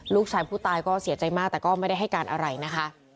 ลูกชายผู้ตายก็เสียใจมากแต่ก็ไม่ได้ให้การอะไรนะคะ